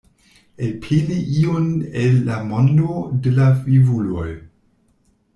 Elpeli iun el la mondo de la vivuloj.